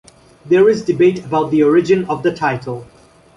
There is debate about the origin of the title.